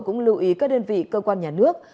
cũng lưu ý các đơn vị cơ quan nhà nước